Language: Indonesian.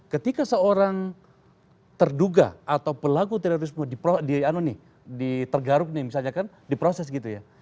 ketika seorang terduga atau pelaku terorisme ditergaruk nih misalnya kan diproses gitu ya